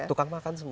tukang makan semua